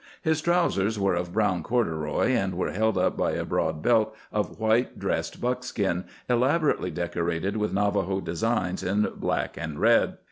His trousers were of brown corduroy, and were held up by a broad belt of white dressed buckskin, elaborately decorated with Navajo designs in black and red.